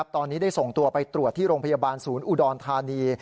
ตอนนี้ได้ส่งตัวไปตรวจที่โรงพยาบาลศูนย์อุดรธานี